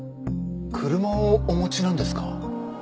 車をお持ちなんですか？